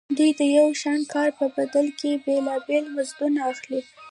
دوی د یو شان کار په بدل کې بېلابېل مزدونه اخلي